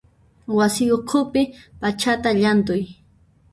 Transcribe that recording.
Wasi ukhupi p'achata llanthuy.